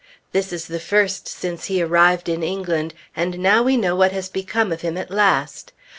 This is the first since he arrived in England, and now we know what has become of him at last.